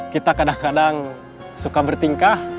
kita kadang kadang suka bertingkah